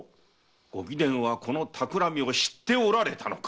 ご貴殿はこの企みを知っておられたのか？